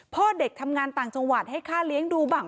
พ่อเด็กทำงานต่างจังหวัดให้ค่าเลี้ยงดูบ้าง